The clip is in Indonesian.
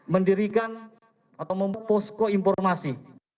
mendirikan atau mempostko informasi